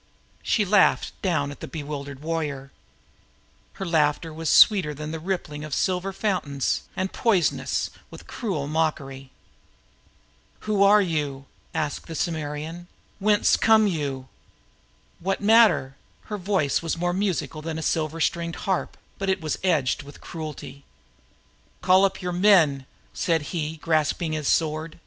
She laughed, and her laughter was sweeter than the rippling of silvery fountains, and poisonous with cruel mockery. "Who are you?" demanded the warrior. "What matter?" Her voice was more musical than a silver stringed harp, but it was edged with cruelty. "Call up your men," he growled, grasping his sword.